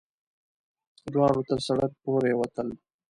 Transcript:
دواړه تر سړک پورې وتل.